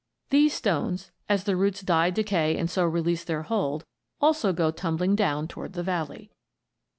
These stones, as the roots die, decay and so release their hold, and also go tumbling down toward the valley.